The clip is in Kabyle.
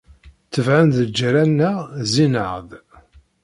Tebɛen-d lǧeṛṛa-nneɣ, zzin-aɣ-d.